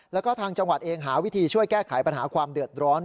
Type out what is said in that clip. แล้วก็ทางจังหวัดเองหาวิธีช่วยแก้ไขปัญหาความเดือดร้อน